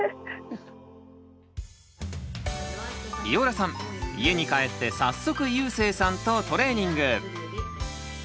ビオラさん家に帰って早速ゆうせいさんとトレーニング。